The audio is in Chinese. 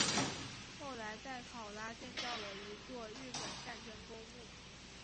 后来在考拉建造了一座日本战争公墓。